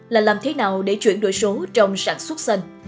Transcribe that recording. là làm thế nào để chuyển đổi số trong sản xuất xanh